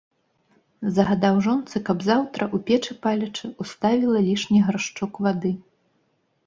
Загадаў жонцы, каб заўтра, у печы палячы, уставіла лішні гаршчок вады.